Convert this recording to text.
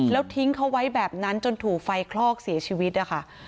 แล้วทิ้งเขาไว้แบบนั้นจนถูกไฟคลอกเสียชีวิตนะคะ